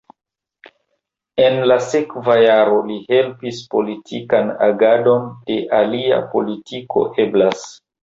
En la sekva jaro li helpis politikan agadon de Alia Politiko Eblas.